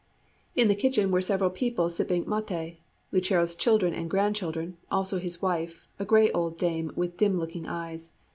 In the kitchen were several people sipping maté, Lucero's children and grandchildren, also his wife, a grey old dame with dim looking eyes.